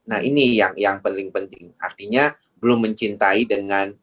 nah ini yang paling penting artinya belum mencintai dengan